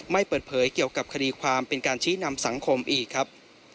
ไม่เปิดเผยเกี่ยวกับคดีความเป็นการชี้นำสังคมอีกครับ